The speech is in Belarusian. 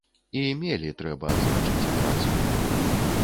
І мелі, трэба адзначыць, рацыю.